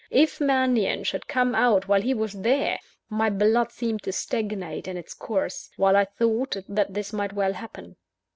If Mannion should come out while he was there! My blood seemed to stagnate on its course, while I thought that this might well happen.